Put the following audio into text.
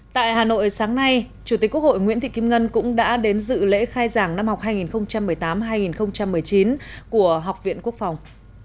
tại hà nội sáng nay chủ tịch quốc hội nguyễn thị kim ngân cũng đã đến dự lễ khai giảng năm học hai nghìn một mươi tám hai nghìn một mươi chín của học viện quốc phòng